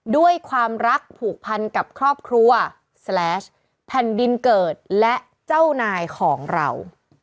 ด้วยความรักผูกพันกับครอบครัวแสลชแผ่นดินเกิดและเจ้านายของเรา